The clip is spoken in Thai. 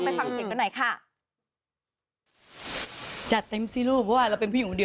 อยากจะมาเอ้าเป็นโควิดอย่างนี้